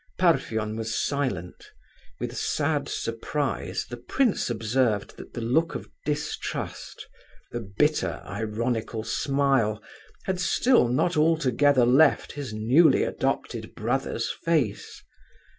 Parfen was silent. With sad surprise the prince observed that the look of distrust, the bitter, ironical smile, had still not altogether left his newly adopted brother's face.